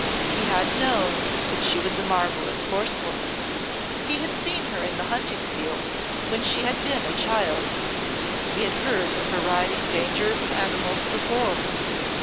He had known that she was a marvellous horsewoman, he had seen her in the hunting field when she had been a child, he had heard of her riding dangerous animals before.